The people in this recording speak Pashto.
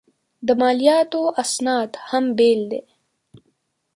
د مالیاتو اسناد هم بېل دي.